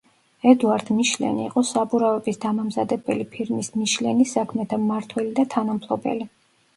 ედუარდ მიშლენი იყო საბურავების დამამზადებელი ფირმის „მიშლენის“ საქმეთა მმართველი და თანამფლობელი.